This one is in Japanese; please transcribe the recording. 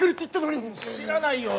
知らないよ。